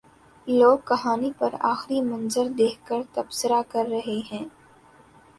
لوگ کہانی پر آخری منظر دیکھ کر تبصرہ کر رہے ہیں۔